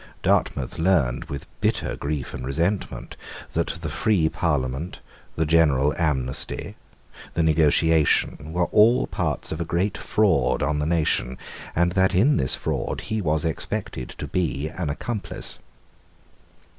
Dartmouth learned, with bitter grief and resentment, that the free Parliament, the general amnesty, the negotiation, were all parts of a great fraud on the nation, and that in this fraud he was expected to be an accomplice.